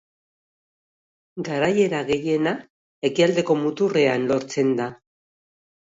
Garaiera gehiena, ekialdeko muturrean lortzen da.